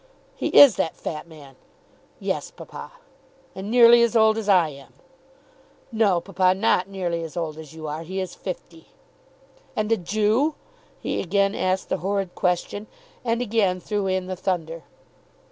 "He is that fat man?" "Yes, papa." "And nearly as old as I am?" "No, papa, not nearly as old as you are. He is fifty." "And a Jew?" He again asked the horrid question, and again threw in the thunder.